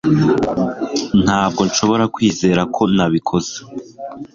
Ntabwo nshobora kwizera ko nabikoze